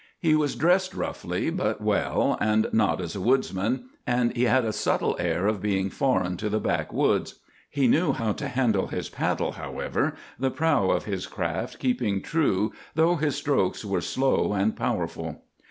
He was dressed roughly but well, and not as a woodsman, and he had a subtle air of being foreign to the backwoods. He knew how to handle his paddle, however, the prow of his craft keeping true though his strokes were slow and powerful.